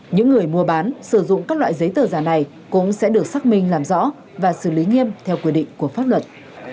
những người mua bán sử dụng các loại giấy tờ giả này cũng sẽ được xác minh làm rõ và xử lý nghiêm theo quy định của pháp luật